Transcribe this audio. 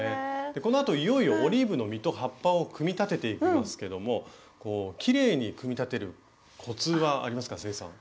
このあといよいよオリーブの実と葉っぱを組み立てていきますけどもきれいに組み立てるコツはありますか清さん。